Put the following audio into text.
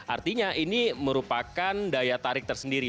artinya ini merupakan daya tarik tersendiri